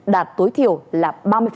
đạt tối thiểu là ba mươi